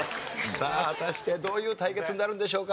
さあ果たしてどういう対決になるんでしょうか。